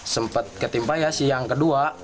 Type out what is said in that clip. sempat ketimpa ya siang kedua